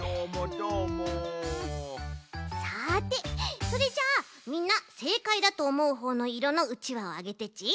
さてそれじゃあみんなせいかいだとおもうほうのいろのうちわをあげてち。